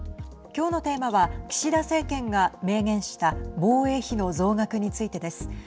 きょうのテーマは岸田政権が明言した防衛費の増額についてです。